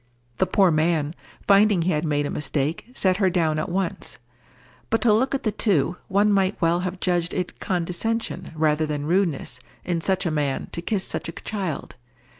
The poor man, finding he had made a mistake, set her down at once. But to look at the two, one might well have judged it condescension rather than rudeness in such a man to kiss such a child.